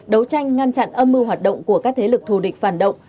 đấu tranh ngăn chặn âm mưu hoạt động của các thế lực thù địch phản động